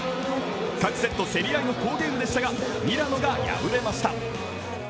各セット競り合いの好ゲームでしたが、ミラノが敗れました。